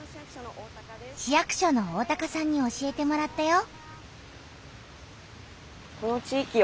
市役所の大さんに教えてもらったよ。